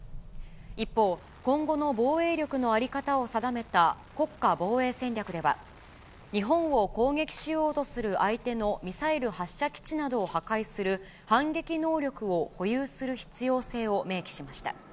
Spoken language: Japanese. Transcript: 一方、今後の防衛力の在り方を定めた国家防衛戦略では、日本を攻撃しようとする相手のミサイル発射基地などを破壊する、反撃能力を保有する必要性を明記しました。